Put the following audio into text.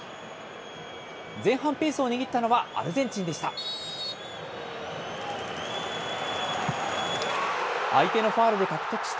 前半ペースを握ったのはアルゼンチンでした。